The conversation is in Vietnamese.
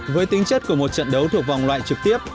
với tính chất của một trận đấu thuộc vòng loại trực tiếp